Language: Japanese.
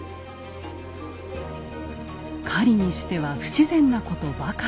狩りにしては不自然なことばかり。